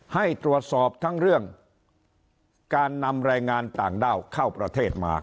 ให้ตรวจสอบทั้งเรื่องการนำแรงงานต่างด้าวเข้าประเทศมา